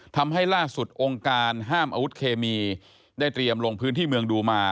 ทำให้ล่าสุดองค์การห้ามอาวุธเคมีได้เตรียมลงพื้นที่เมืองดูมา